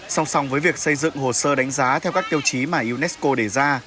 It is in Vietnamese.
song song với việc xây dựng hồ sơ đánh giá theo các tiêu chí mà unesco đề ra